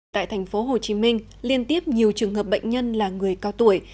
tại thành phố hồ chí minh liên tiếp nhiều trường hợp bệnh nhân là người cao tuổi